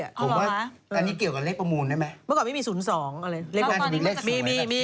ผมว่าอันนี้เกี่ยวกับเลขประมูลได้ไหม